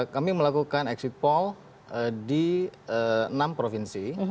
kami melakukan exit poll di enam provinsi